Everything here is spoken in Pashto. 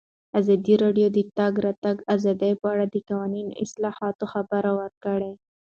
ازادي راډیو د د تګ راتګ ازادي په اړه د قانوني اصلاحاتو خبر ورکړی.